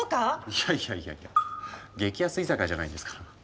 いやいやいやいや激安居酒屋じゃないんですから。